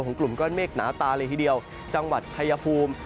กลุ่มก้อนเมฆหนาตาเลยทีเดียวจังหวัดชายภูมิ